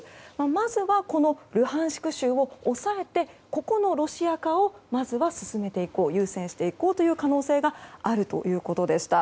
まずはルハンシク州を抑えてここのロシア化をまずは進めていこう優先していこうという可能性があるということでした。